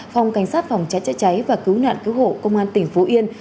phòng cảnh sát phòng trái trái trái và cứu nạn cứu hộ công an tỉnh phú yên